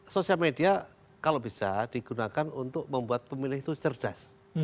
sosial media kalau bisa digunakan untuk membuat pemilih itu cerdas